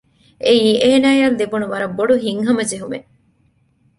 އެއީ އޭނާއަށް ލިބުނު ވަރަށް ބޮޑު ހިތްހަމަޖެހުމެއް